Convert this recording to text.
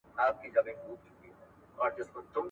د توپان هیبت وحشت وو راوستلی !.